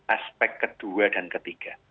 aspek kedua dan ketiga